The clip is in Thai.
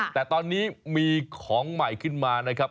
แต่ตอนนี้มีของใหม่ขึ้นมานะครับ